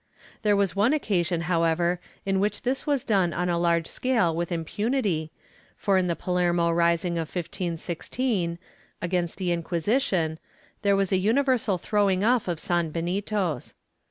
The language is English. There was one occasion, however, in which this was done on a large scale with impunity, for in the Palermo rising of 1516 against the Inqui sition, there was a universal throwing off of sanbenitos.